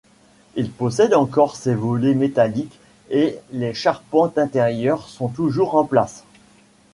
Il possède encore ses volets métalliques et les charpentes intérieures sont toujours en place.